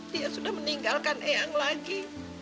dia sudah meninggalkan eyang lagi